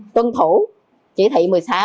tuân thủ chỉ thị một mươi sáu